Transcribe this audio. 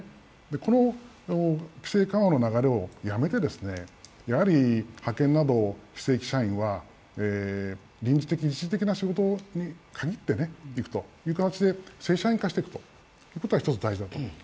この規制緩和の流れをやめて、派遣など非正規社員は臨時的、一時的な仕事に限っていくという形で正社員化していくことが大事だと思います。